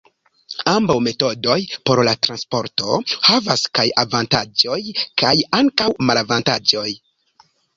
Ambaŭ metodoj por la transporto havas kaj avantaĝoj kaj ankaŭ malavantaĝoj.